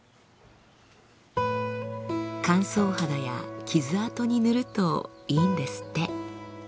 乾燥肌や傷痕に塗るといいんですって。